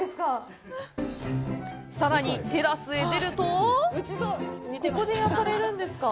さらにテラスへ出るとここで焼かれるんですか。